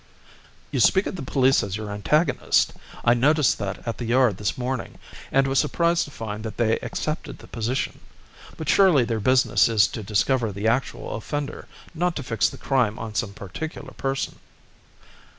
"You speak of the police as your antagonists; I noticed that at the 'Yard' this morning, and was surprised to find that they accepted the position. But surely their business is to discover the actual offender, not to fix the crime on some particular person."